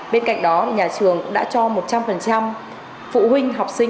bên cạnh đó nhà trường đã cho một trăm linh phụ huynh học sinh